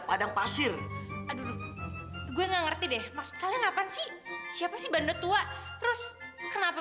padang pasir aduh gue gak ngerti deh maksud kalian apa sih siapa sih bandet tua terus kenapa